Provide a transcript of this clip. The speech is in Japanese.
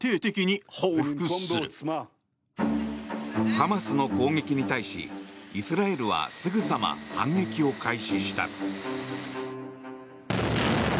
ハマスの攻撃に対しイスラエルはすぐさま反撃を開始した。